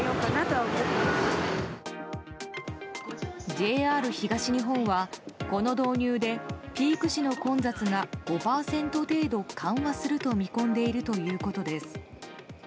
ＪＲ東日本は、この導入でピーク時の混雑が５％程度緩和すると見込んでいるということです。